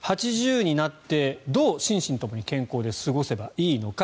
８０になってどう心身ともに健康で過ごせばいいのか。